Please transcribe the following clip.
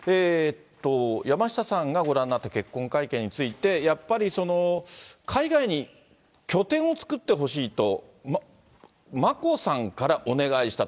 山下さんがご覧になった結婚会見について、やっぱり海外に拠点を作ってほしいと眞子さんからお願いしたと。